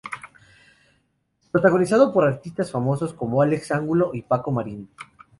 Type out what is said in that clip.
Protagonizado por artistas famosos como Álex Angulo y Paco Marín.